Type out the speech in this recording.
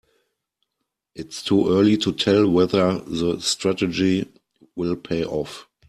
It's too early to tell whether the strategy will pay off.